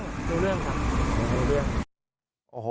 รู้เรื่องครับ